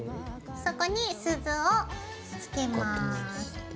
そこに鈴を付けます。